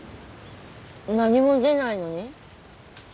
何も出ないのに？